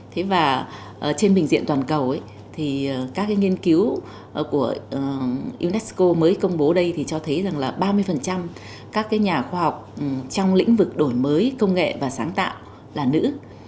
thế và trên bình diện toàn cầu thì các cái nghiên cứu của unesco mới công bố đây thì cho thấy rằng là ba mươi các cái nhà khoa học trong lĩnh vực đổi mới công nghệ và sáng tạo là nữ